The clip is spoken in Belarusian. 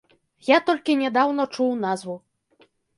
Я толькі нядаўна чуў назву.